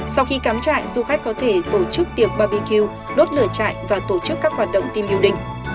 sau khi cắm chạy du khách có thể tổ chức tiệc bbq đốt lửa chạy và tổ chức các hoạt động tim yêu đình